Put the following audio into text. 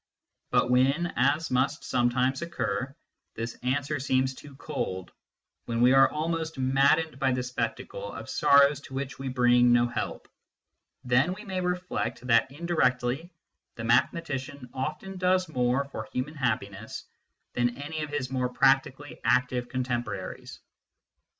But when, as must sometimes occur, this answer seems too cold, when we are almost maddened by the spectacle of sorrows to which we bring no help, then we may reflect that indirectly the mathematician often does more for human happiness than any of his more practically active contemporaries.